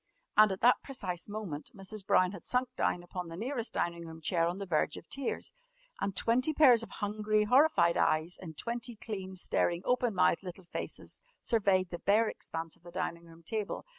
And at that precise moment Mrs. Brown had sunk down upon the nearest dining room chair on the verge of tears, and twenty pairs of hungry horrified eyes in twenty clean, staring, open mouthed little faces surveyed the bare expanse of the dining room table.